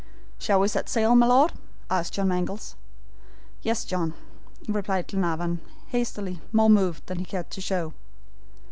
"Shall we set sail, my Lord?" asked John Mangles. "Yes, John," replied Glenarvan, hastily, more moved than he cared to show.